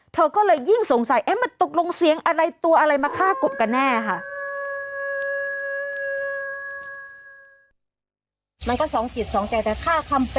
เธอก็เลยยิ่งสงสัยมันตกลงเสียงอะไรตัวอะไรมาฆ่ากบกันแน่ค่ะ